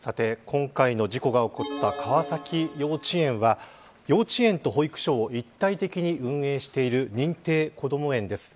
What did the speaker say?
今回の事故が起こった川崎幼稚園は幼稚園と保育所を一体的に運営している認定こども園です。